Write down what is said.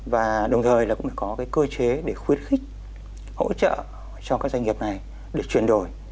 và đồng thời cũng có cơ chế để khuyến khích hỗ trợ cho các doanh nghiệp này để chuyển đổi